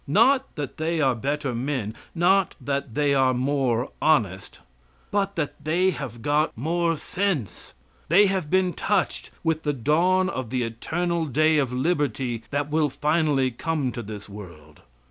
Not that they are better men, not that they are more honest, but that they have got more sense. They have been touched with the dawn of the eternal day of liberty that will finally come to this world.